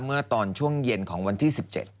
เมื่อตอนช่วงเย็นของวันที่๑๗